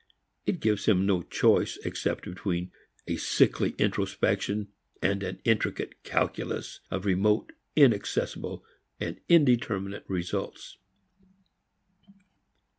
It gives him no choice except between a sickly introspection and an intricate calculus of remote, inaccessible and indeterminate results.